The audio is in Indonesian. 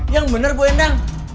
yang bener bu endang